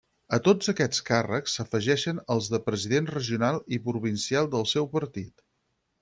A tots aquests càrrecs, s'afegixen els de president regional i provincial del seu partit.